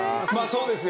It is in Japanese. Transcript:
そうです。